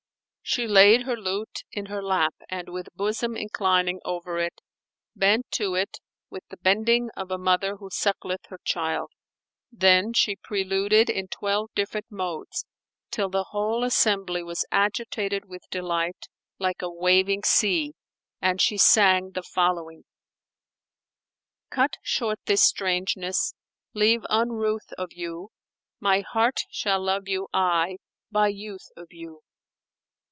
She laid her lute in her lap and with bosom inclining over it, bent to it with the bending of a mother who suckleth her child; then she preluded in twelve different modes, till the whole assembly was agitated with delight, like a waving sea, and she sang the following, "Cut short this strangeness, leave unruth of you; * My heart shall love you aye, by youth of you!